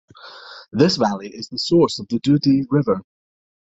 This valley is the source of Dudhi River.